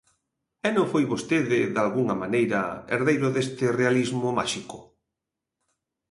E non foi vostede, dalgunha maneira, herdeiro deste realismo máxico?